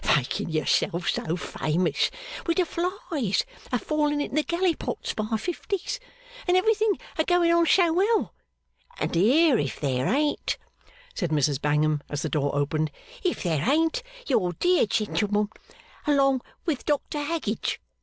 Making yourself so famous! With the flies a falling into the gallipots by fifties! And everything a going on so well! And here if there ain't,' said Mrs Bangham as the door opened, 'if there ain't your dear gentleman along with Dr Haggage!